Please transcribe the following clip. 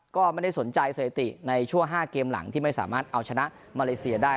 ก็ไม่ได้สนใจสถิติในชั่ว๕เกมหลังที่ไม่สามารถเอาชนะมาเลเซียได้